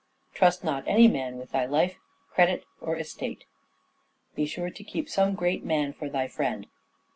" Trust not any man with thy life, credit, or estate." " Be sure to keep some great man for thy friend."